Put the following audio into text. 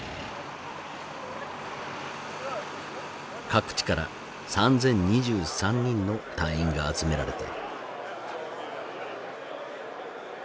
各地から３，０２３人の隊員が集められた。